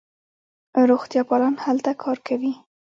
روغتیاپالان هلته کار کوي.